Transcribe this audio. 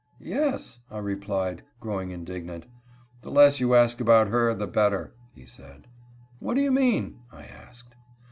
"Yes?" I replied, growing indignant. "The less you ask about her the better," he said. "What do you mean?" I asked.